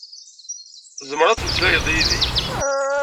Tzemreḍ ad temmeslayeḍ yid-i.